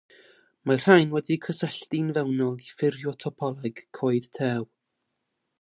Mae'r rhain wedi'u cysylltu'n fewnol i ffurfio topoleg coed tew.